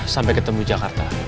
sampai ketemu di jakarta